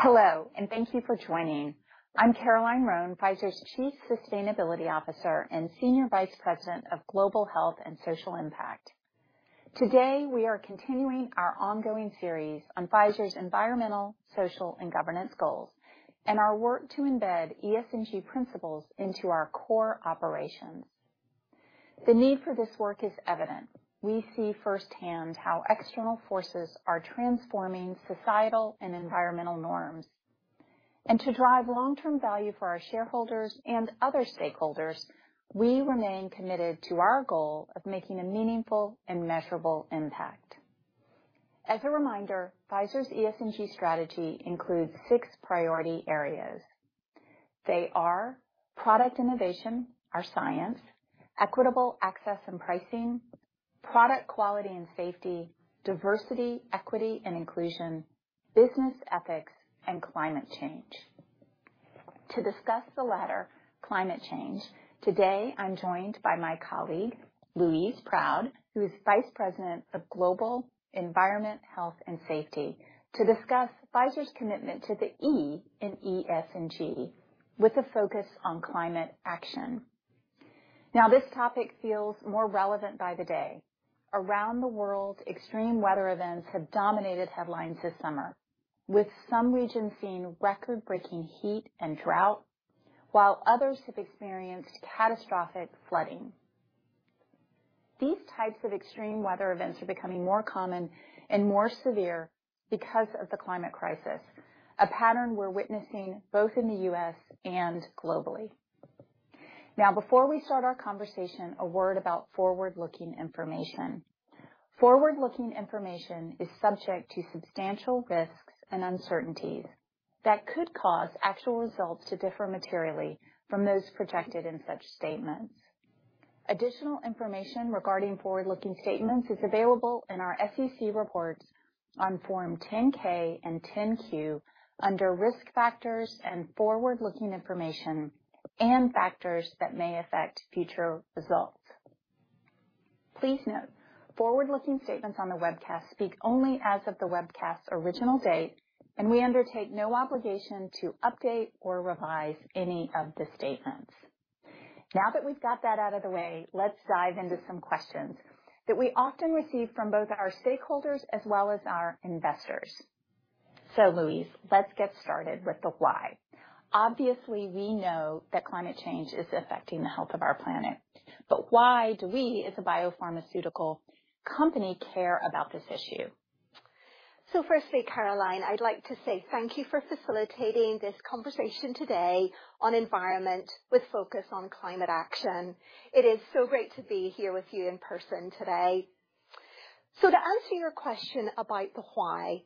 Hello, and thank you for joining. I'm Caroline Roan, Pfizer's Chief Sustainability Officer and Senior Vice President of Global Health and Social Impact. Today, we are continuing our ongoing series on Pfizer's environmental, social, and governance goals and our work to embed ES and G principles into our core operations. The need for this work is evident. We see firsthand how external forces are transforming societal and environmental norms. To drive long-term value for our shareholders and other stakeholders, we remain committed to our goal of making a meaningful and measurable impact. As a reminder, Pfizer's ES and G strategy includes six priority areas. They are product innovation, our science, equitable access and pricing, product quality and safety, diversity, equity and inclusion, business ethics, and climate change. To discuss the latter, climate change, today I'm joined by my colleague, Louise Proud, who is Vice President, Environment, Health and Safety, to discuss Pfizer's commitment to the E in ESG with a focus on climate action. This topic feels more relevant by the day. Around the world, extreme weather events have dominated headlines this summer, with some regions seeing record-breaking heat and drought, while others have experienced catastrophic flooding. These types of extreme weather events are becoming more common and more severe because of the climate crisis, a pattern we're witnessing both in the U.S. and globally. Before we start our conversation, a word about forward-looking information. Forward-looking information is subject to substantial risks and uncertainties that could cause actual results to differ materially from those projected in such statements. Additional information regarding forward-looking statements is available in our SEC reports on Form 10-K and 10-Q under Risk Factors and Forward-Looking Information and factors that may affect future results. Please note, forward-looking statements on the webcast speak only as of the webcast's original date, and we undertake no obligation to update or revise any of the statements. Now that we've got that out of the way, let's dive into some questions that we often receive from both our stakeholders as well as our investors. Louise, let's get started with the why. Obviously, we know that climate change is affecting the health of our planet, but why do we, as a biopharmaceutical company, care about this issue? Firstly, Caroline, I'd like to say thank you for facilitating this conversation today on environment with focus on climate action. It is so great to be here with you in person today. To answer your question about the why,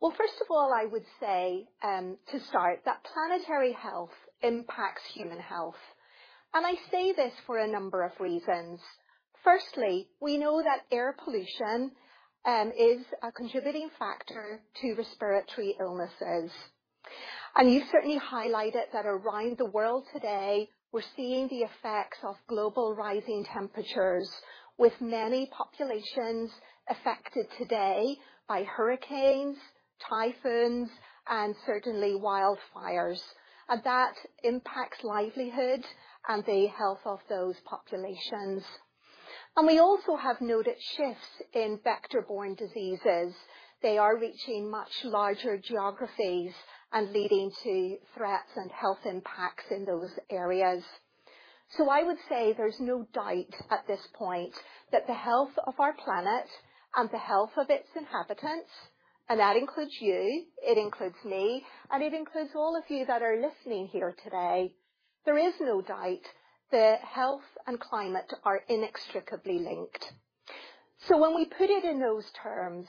well, first of all, I would say, to start that planetary health impacts human health. I say this for a number of reasons. Firstly, we know that air pollution is a contributing factor to respiratory illnesses. You certainly highlighted that around the world today, we're seeing the effects of global rising temperatures, with many populations affected today by hurricanes, typhoons, and certainly wildfires. That impacts livelihoods and the health of those populations. We also have noted shifts in vector-borne diseases. They are reaching much larger geographies and leading to threats and health impacts in those areas. I would say there's no doubt at this point that the health of our planet and the health of its inhabitants, and that includes you, it includes me, and it includes all of you that are listening here today. There is no doubt that health and climate are inextricably linked. When we put it in those terms,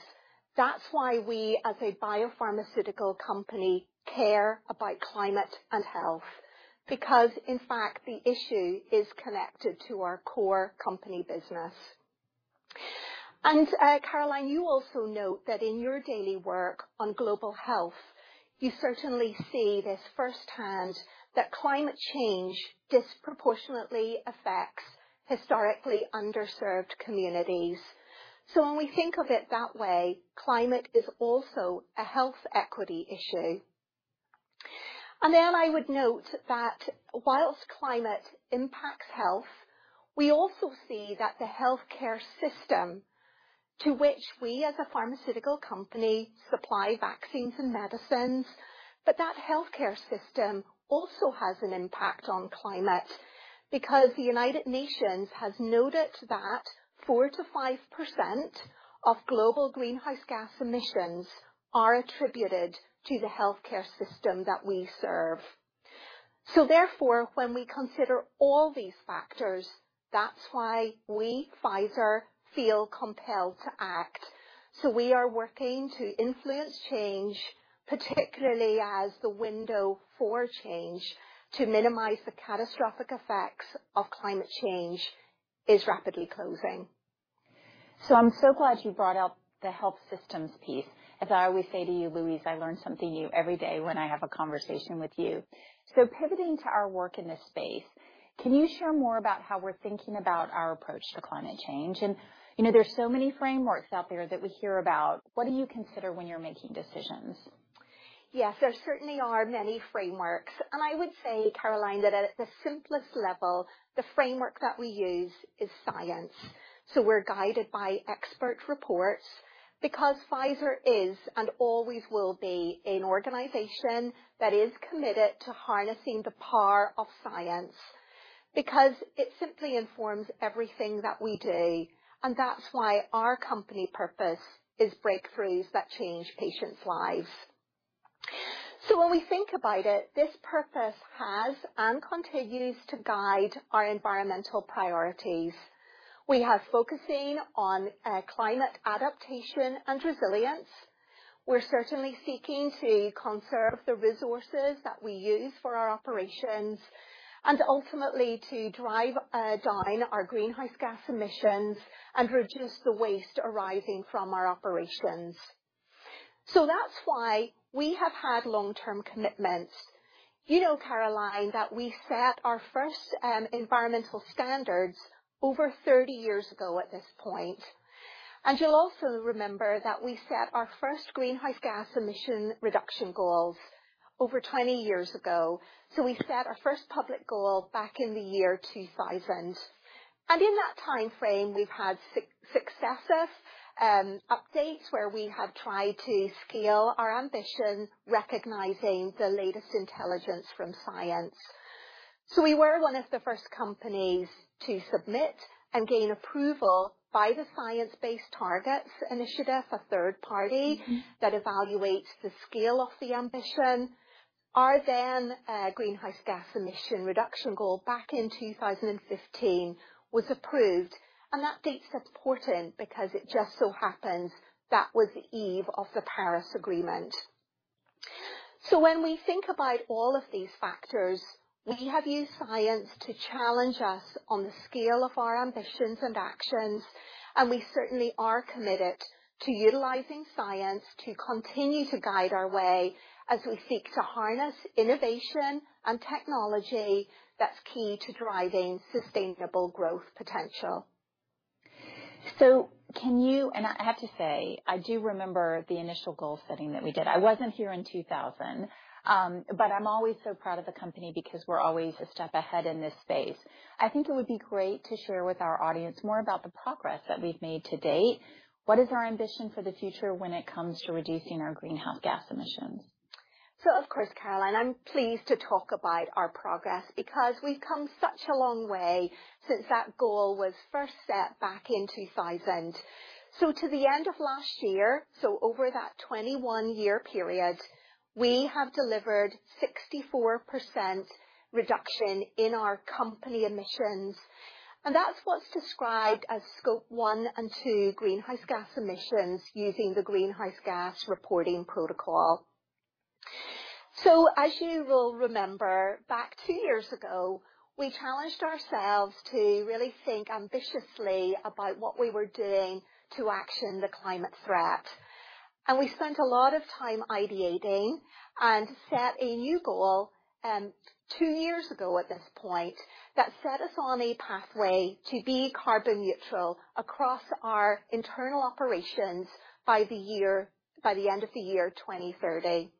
that's why we, as a biopharmaceutical company, care about climate and health, because in fact, the issue is connected to our core company business. Caroline, you also note that in your daily work on global health, you certainly see this firsthand that climate change disproportionately affects historically underserved communities. When we think of it that way, climate is also a health equity issue. I would note that while climate impacts health, we also see that the healthcare system to which we, as a pharmaceutical company, supply vaccines and medicines, but that healthcare system also has an impact on climate because the United Nations has noted that 4%-5% of global greenhouse gas emissions are attributed to the healthcare system that we serve. Therefore, when we consider all these factors, that's why we, Pfizer, feel compelled to act. We are working to influence change, particularly as the window for change to minimize the catastrophic effects of climate change is rapidly closing. I'm so glad you brought up the health systems piece. As I always say to you, Louise, I learn something new every day when I have a conversation with you. Pivoting to our work in this space. Can you share more about how we're thinking about our approach to climate change? You know, there's so many frameworks out there that we hear about. What do you consider when you're making decisions? Yes, there certainly are many frameworks. I would say, Caroline, that at the simplest level, the framework that we use is science. We're guided by expert reports because Pfizer is and always will be an organization that is committed to harnessing the power of science, because it simply informs everything that we do. That's why our company purpose is breakthroughs that change patients' lives. When we think about it, this purpose has and continues to guide our environmental priorities. We are focusing on climate adaptation and resilience. We're certainly seeking to conserve the resources that we use for our operations and ultimately to drive down our greenhouse gas emissions and reduce the waste arising from our operations. That's why we have had long-term commitments. You know, Caroline, that we set our first environmental standards over 30 years ago at this point. You'll also remember that we set our first greenhouse gas emission reduction goals over 20 years ago. We set our first public goal back in the year 2000. In that timeframe, we've had successive updates where we have tried to scale our ambition, recognizing the latest intelligence from science. We were one of the first companies to submit and gain approval by the Science Based Targets initiative, a third party. Mm-hmm. That evaluates the scale of the ambition. Our then greenhouse gas emission reduction goal back in 2015 was approved. That date's important because it just so happens that was the eve of the Paris Agreement. When we think about all of these factors, we have used science to challenge us on the scale of our ambitions and actions, and we certainly are committed to utilizing science to continue to guide our way as we seek to harness innovation and technology that's key to driving sustainable growth potential. I have to say, I do remember the initial goal setting that we did. Mm-hmm. I wasn't here in 2000, but I'm always so proud of the company because we're always a step ahead in this space. I think it would be great to share with our audience more about the progress that we've made to date. What is our ambition for the future when it comes to reducing our greenhouse gas emissions? Of course, Caroline, I'm pleased to talk about our progress because we've come such a long way since that goal was first set back in 2000. To the end of last year, over that 21-year period, we have delivered 64% reduction in our company emissions. That's what's described as Scope 1 and 2 greenhouse gas emissions using the Greenhouse Gas Protocol. As you will remember, two years ago, we challenged ourselves to really think ambitiously about what we were doing to action the climate threat. We spent a lot of time ideating and set a new goal, two years ago at this point, that set us on a pathway to be carbon neutral across our internal operations by the end of the year 2030.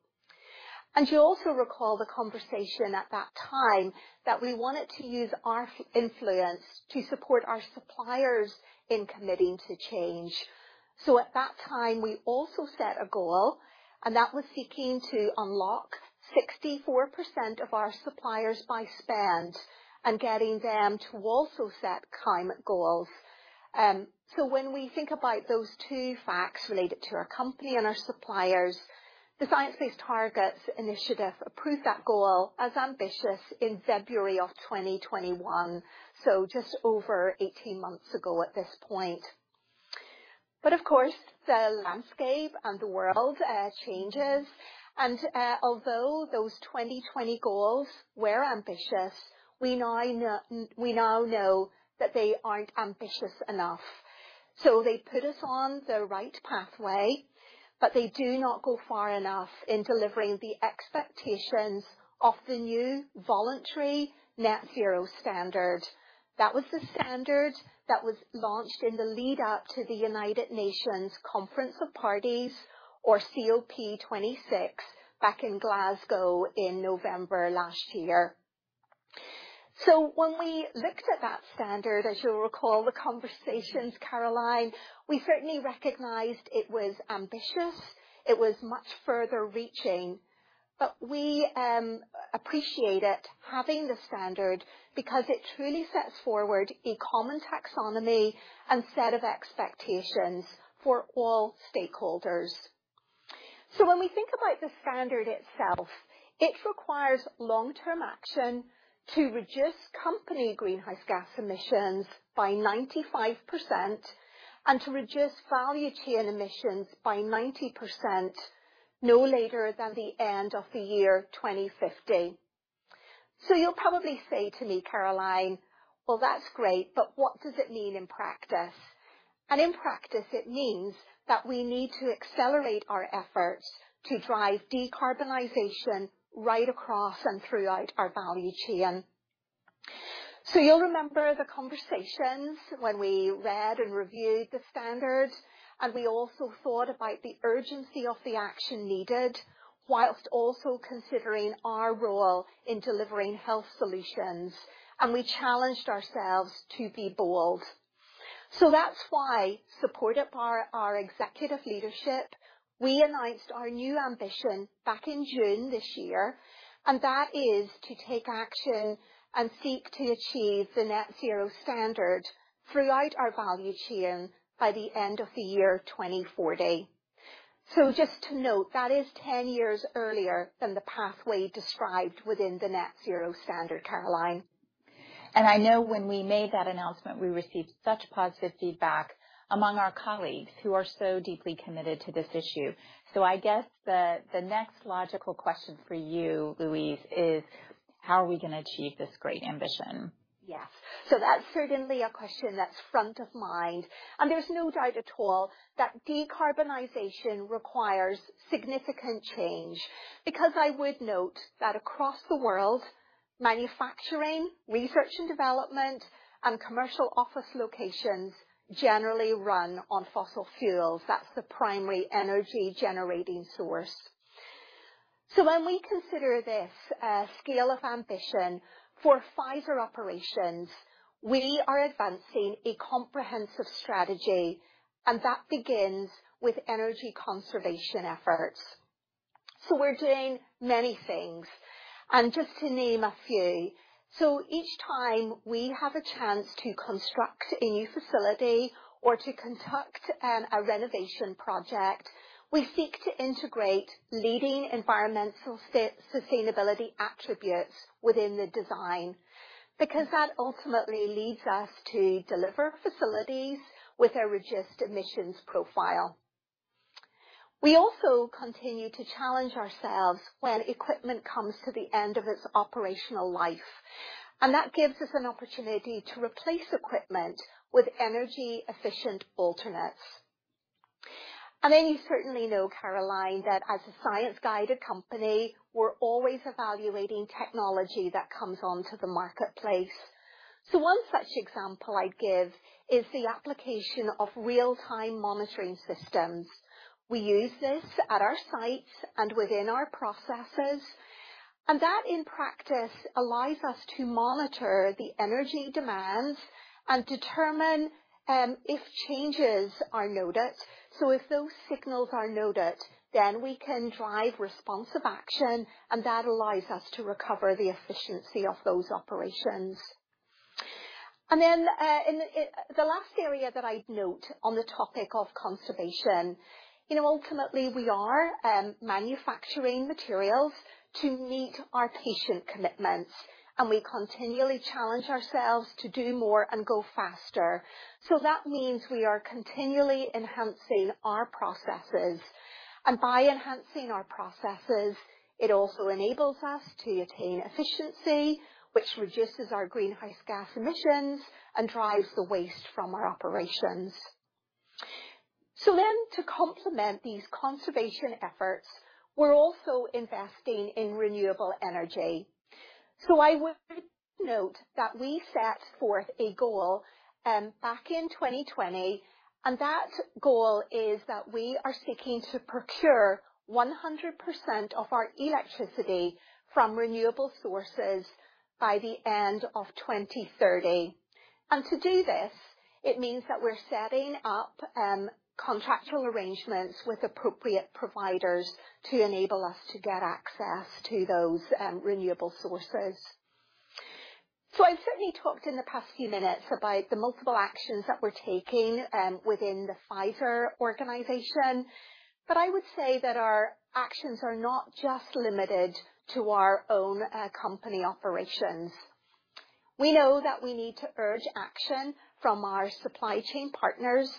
You'll also recall the conversation at that time that we wanted to use our influence to support our suppliers in committing to change. So at that time, we also set a goal, and that was seeking to unlock 64% of our suppliers by spend and getting them to also set climate goals. So when we think about those two facts related to our company and our suppliers, the Science Based Targets initiative approved that goal as ambitious in February of 2021, so just over 18 months ago at this point. But of course, the landscape and the world changes. Although those 2020 goals were ambitious, we now know that they aren't ambitious enough. So they put us on the right pathway, but they do not go far enough in delivering the expectations of the new voluntary Net-Zero Standard. That was the standard that was launched in the lead up to the United Nations Conference of Parties, or COP26, back in Glasgow in November last year. When we looked at that standard, as you'll recall the conversations, Caroline, we certainly recognized it was ambitious, it was much further reaching, but we appreciate it having the standard because it truly sets forward a common taxonomy and set of expectations for all stakeholders. When we think about the standard itself, it requires long-term action to reduce company greenhouse gas emissions by 95% and to reduce value chain emissions by 90% no later than the end of the year 2050. You'll probably say to me, Caroline, "Well, that's great, but what does it mean in practice?" In practice, it means that we need to accelerate our efforts to drive decarbonization right across and throughout our value chain. You'll remember the conversations when we read and reviewed the standard, and we also thought about the urgency of the action needed, while also considering our role in delivering health solutions. We challenged ourselves to be bold. That's why, supported by our executive leadership, we announced our new ambition back in June this year, and that is to take action and seek to achieve the Net-Zero Standard throughout our value chain by the end of the year 2040. Just to note, that is 10 years earlier than the pathway described within the Net-Zero Standard, Caroline. I know when we made that announcement, we received such positive feedback among our colleagues who are so deeply committed to this issue. I guess the next logical question for you, Louise, is how are we gonna achieve this great ambition? Yes. That's certainly a question that's front of mind. There's no doubt at all that decarbonization requires significant change, because I would note that across the world, manufacturing, research and development, and commercial office locations generally run on fossil fuels. That's the primary energy generating source. When we consider this scale of ambition for Pfizer operations, we are advancing a comprehensive strategy, and that begins with energy conservation efforts. We're doing many things, and just to name a few. Each time we have a chance to construct a new facility or to conduct a renovation project, we seek to integrate leading environmental sustainability attributes within the design, because that ultimately leads us to deliver facilities with a reduced emissions profile. We also continue to challenge ourselves when equipment comes to the end of its operational life, and that gives us an opportunity to replace equipment with energy-efficient alternates. You certainly know, Caroline, that as a science-guided company, we're always evaluating technology that comes onto the marketplace. One such example I'd give is the application of real-time monitoring systems. We use this at our sites and within our processes. That, in practice, allows us to monitor the energy demands and determine if changes are noted. If those signals are noted, then we can drive responsive action, and that allows us to recover the efficiency of those operations. The last area that I'd note on the topic of conservation, you know, ultimately, we are manufacturing materials to meet our patient commitments, and we continually challenge ourselves to do more and go faster. That means we are continually enhancing our processes. By enhancing our processes, it also enables us to attain efficiency, which reduces our greenhouse gas emissions and drives the waste from our operations. To complement these conservation efforts, we're also investing in renewable energy. I would note that we set forth a goal back in 2020, and that goal is that we are seeking to procure 100% of our electricity from renewable sources by the end of 2030. To do this, it means that we're setting up contractual arrangements with appropriate providers to enable us to get access to those renewable sources. I've certainly talked in the past few minutes about the multiple actions that we're taking within the Pfizer organization, but I would say that our actions are not just limited to our own company operations. We know that we need to urge action from our supply chain partners,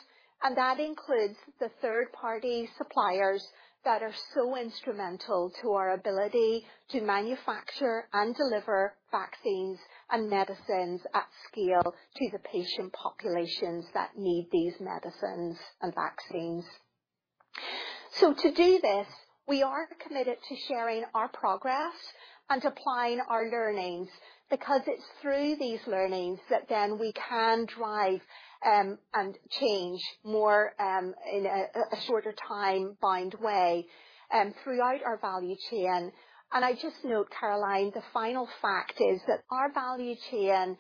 and that includes the third-party suppliers that are so instrumental to our ability to manufacture and deliver vaccines and medicines at scale to the patient populations that need these medicines and vaccines. To do this, we are committed to sharing our progress and applying our learnings, because it's through these learnings that then we can drive and change more in a shorter time-bound way throughout our value chain. I just note, Caroline, the final fact is that our value chain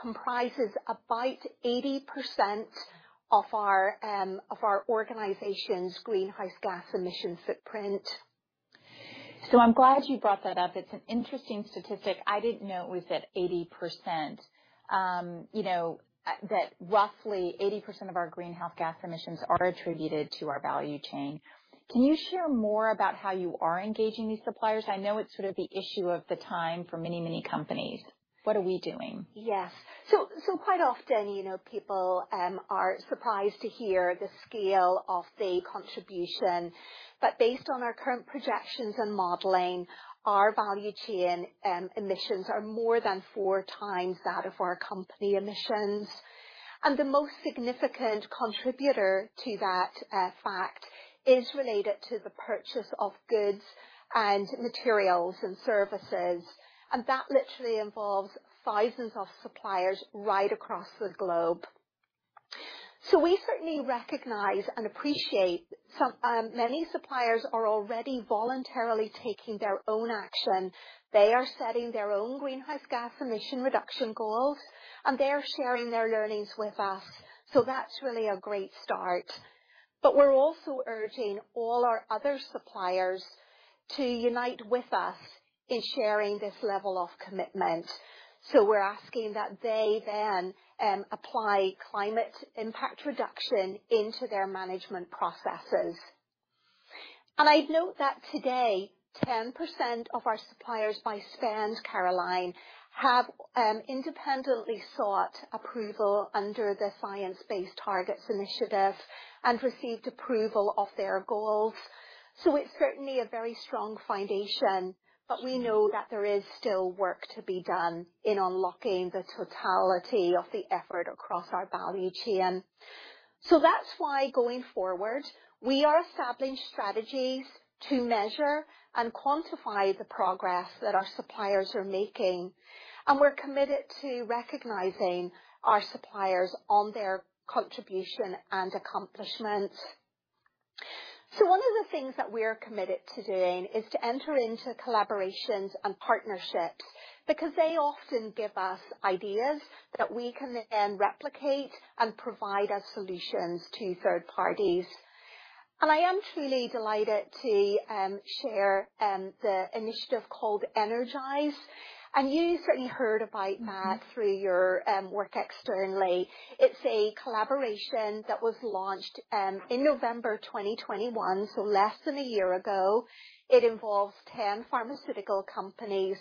comprises about 80% of our organization's greenhouse gas emissions footprint. I'm glad you brought that up. It's an interesting statistic. I didn't know it was at 80%. You know, that roughly 80% of our greenhouse gas emissions are attributed to our value chain. Can you share more about how you are engaging these suppliers? I know it's sort of the issue of the time for many, many companies. What are we doing? Yes. Quite often, you know, people are surprised to hear the scale of the contribution, but based on our current projections and modeling, our value chain emissions are more than four times that of our company emissions. The most significant contributor to that fact is related to the purchase of goods and materials and services. That literally involves thousands of suppliers right across the globe. We certainly recognize and appreciate so many suppliers are already voluntarily taking their own action. They are setting their own greenhouse gas emission reduction goals, and they're sharing their learnings with us. That's really a great start. We're also urging all our other suppliers to unite with us in sharing this level of commitment. We're asking that they then apply climate impact reduction into their management processes. I'd note that today, 10% of our suppliers by spend, Caroline, have independently sought approval under the Science Based Targets initiative and received approval of their goals. It's certainly a very strong foundation, but we know that there is still work to be done in unlocking the totality of the effort across our value chain. That's why going forward, we are establishing strategies to measure and quantify the progress that our suppliers are making. We're committed to recognizing our suppliers on their contribution and accomplishments. One of the things that we're committed to doing is to enter into collaborations and partnerships because they often give us ideas that we can then replicate and provide as solutions to third parties. I am truly delighted to share the initiative called Energize. You certainly heard about that through your work externally. It's a collaboration that was launched in November 2021, so less than a year ago. It involves 10 pharmaceutical companies.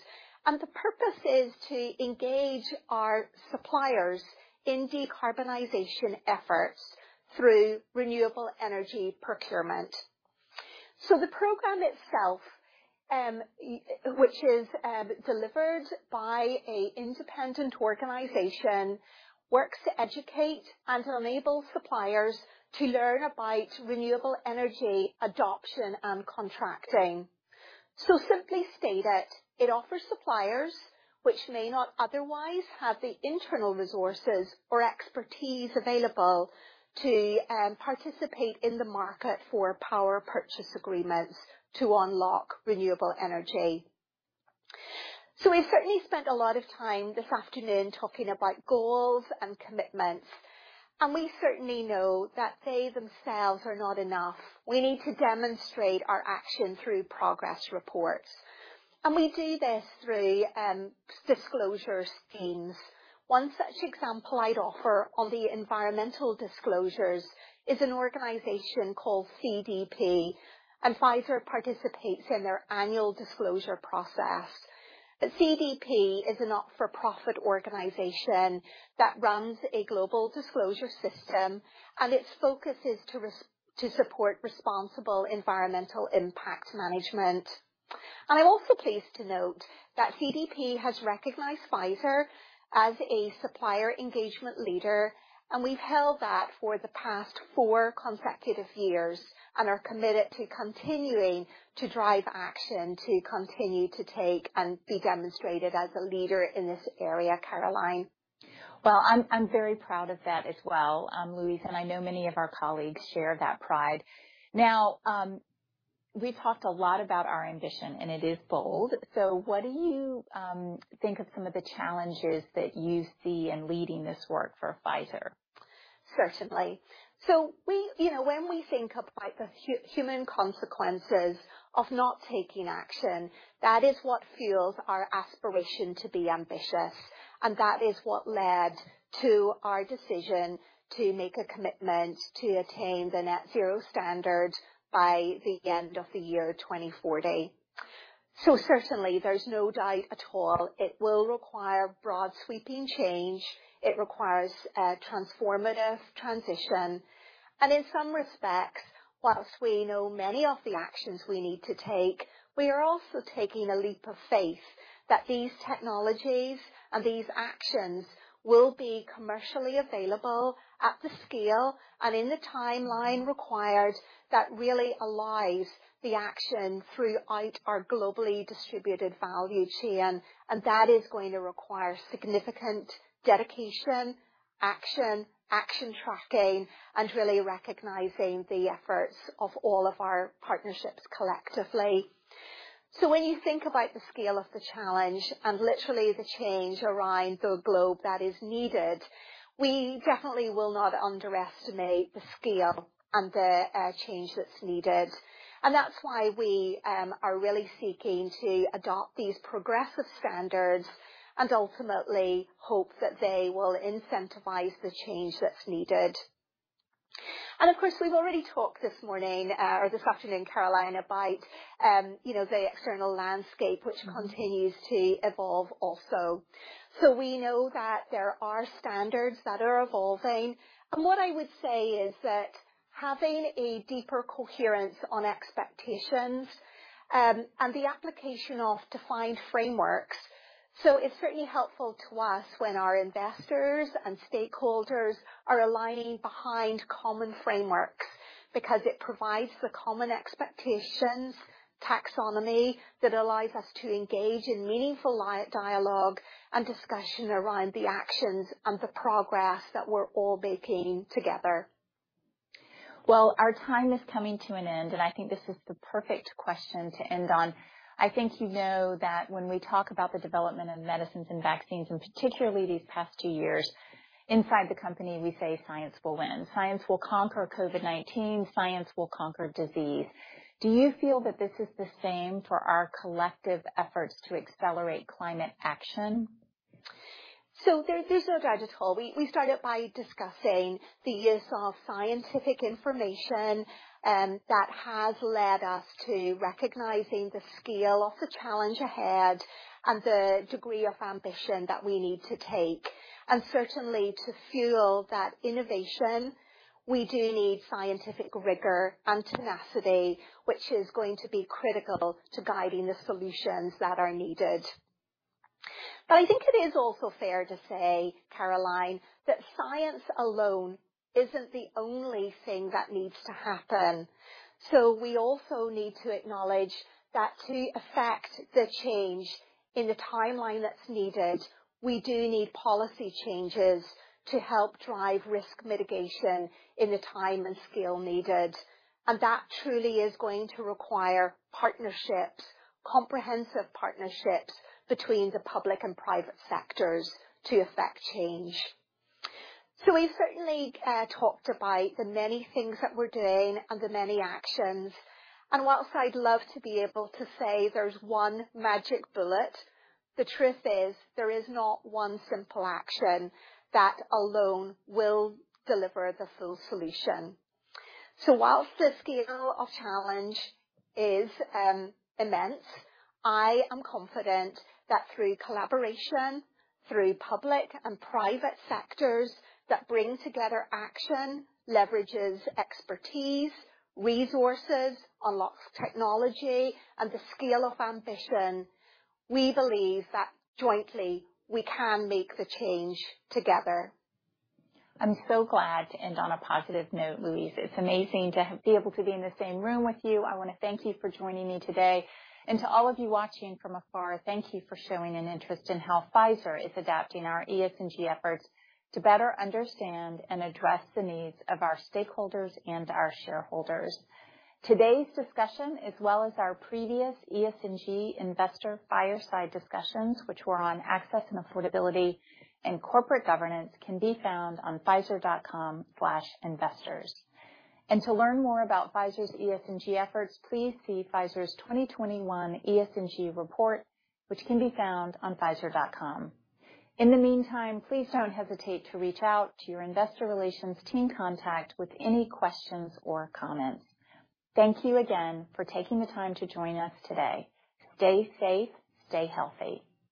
The purpose is to engage our suppliers in decarbonization efforts through renewable energy procurement. The program itself, which is delivered by an independent organization, works to educate and to enable suppliers to learn about renewable energy adoption and contracting. Simply stated, it offers suppliers which may not otherwise have the internal resources or expertise available to participate in the market for power purchase agreements to unlock renewable energy. We've certainly spent a lot of time this afternoon talking about goals and commitments, and we certainly know that they themselves are not enough. We need to demonstrate our action through progress reports. We do this through disclosure schemes. One such example I'd offer on the environmental disclosures is an organization called CDP, and Pfizer participates in their annual disclosure process. CDP is a not-for-profit organization that runs a global disclosure system, and its focus is to support responsible environmental impact management. I'm also pleased to note that CDP has recognized Pfizer as a supplier engagement leader, and we've held that for the past four consecutive years and are committed to continuing to drive action, to continue to take and be demonstrated as a leader in this area, Caroline. Well, I'm very proud of that as well, Louise, and I know many of our colleagues share that pride. Now, we've talked a lot about our ambition, and it is bold. What do you think of some of the challenges that you see in leading this work for Pfizer? Certainly. We, you know, when we think about the human consequences of not taking action, that is what fuels our aspiration to be ambitious. That is what led to our decision to make a commitment to attain the Net-Zero Standard by the end of the year 2040. Certainly there's no doubt at all it will require broad, sweeping change. It requires a transformative transition. In some respects, while we know many of the actions we need to take, we are also taking a leap of faith that these technologies and these actions will be commercially available at the scale and in the timeline required that really aligns the action throughout our globally distributed value chain. That is going to require significant dedication, action tracking, and really recognizing the efforts of all of our partnerships collectively. When you think about the scale of the challenge and literally the change around the globe that is needed, we definitely will not underestimate the scale and the change that's needed. That's why we are really seeking to adopt these progressive standards and ultimately hope that they will incentivize the change that's needed. Of course, we've already talked this morning or this afternoon, Caroline, about you know, the external landscape which continues to evolve also. We know that there are standards that are evolving. What I would say is having a deeper coherence on expectations and the application of defined frameworks. It's certainly helpful to us when our investors and stakeholders are aligning behind common frameworks, because it provides the common expectations, taxonomy that allows us to engage in meaningful dialogue and discussion around the actions and the progress that we're all making together. Well, our time is coming to an end, and I think this is the perfect question to end on. I think you know that when we talk about the development of medicines and vaccines, and particularly these past two years, inside the company, we say science will win. Science will conquer COVID-19. Science will conquer disease. Do you feel that this is the same for our collective efforts to accelerate climate action? There's no doubt at all. We started by discussing the use of scientific information that has led us to recognizing the scale of the challenge ahead and the degree of ambition that we need to take. Certainly to fuel that innovation, we do need scientific rigor and tenacity, which is going to be critical to guiding the solutions that are needed. I think it is also fair to say, Caroline, that science alone isn't the only thing that needs to happen. We also need to acknowledge that to affect the change in the timeline that's needed, we do need policy changes to help drive risk mitigation in the time and scale needed. That truly is going to require partnerships, comprehensive partnerships between the public and private sectors to affect change. We certainly talked about the many things that we're doing and the many actions. While I'd love to be able to say there's one magic bullet, the truth is there is not one simple action that alone will deliver the full solution. While the scale of challenge is immense, I am confident that through collaboration, through public and private sectors that bring together action, leverages expertise, resources, unlocks technology and the scale of ambition, we believe that jointly, we can make the change together. I'm so glad to end on a positive note, Louise. It's amazing to be able to be in the same room with you. I wanna thank you for joining me today. To all of you watching from afar, thank you for showing an interest in how Pfizer is adapting our ESG efforts to better understand and address the needs of our stakeholders and our shareholders. Today's discussion, as well as our previous ESG investor fireside discussions, which were on access and affordability and corporate governance, can be found on pfizer.com/investors. To learn more about Pfizer's ESG efforts, please see Pfizer's 2021 ESG report, which can be found on pfizer.com. In the meantime, please don't hesitate to reach out to your investor relations team contact with any questions or comments. Thank you again for taking the time to join us today. Stay safe. Stay healthy.